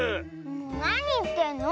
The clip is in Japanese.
なにいってんの？